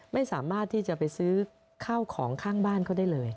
ไม่สามารถที่จะไปซื้อข้าวของข้างบ้านเขาได้เลย